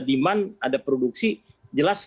demand ada produksi jelas